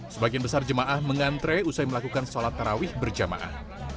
sebagian besar jemaah mengantre usai melakukan sholat tarawih berjamaah